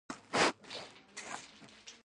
مصنوعي ځیرکتیا د انساني خطا کچه راټیټوي.